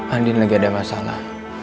andi lagi ada masalah